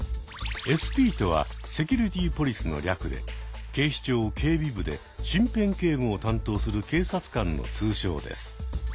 ＳＰとはセキュリティ・ポリスの略で警視庁警備部で身辺警護を担当する警察官の通称です。